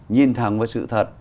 nhìn thẳng với sự thật